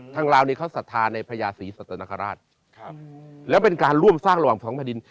ลาวนี้เขาศรัทธาในพญาศรีสัตนคราชแล้วเป็นการร่วมสร้างระหว่างท้องแผ่นดิน